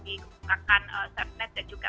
digunakan safenet dan juga